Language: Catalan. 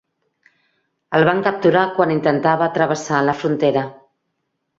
El van capturar quan intentava travessar la frontera.